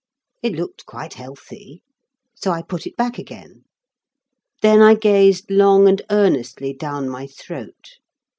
It looked quite healthy, so I put it back again. Then I gazed long and earnestly down my throat.